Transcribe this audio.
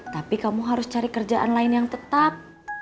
tapi kamu harus cari kerjaan lain yang tetap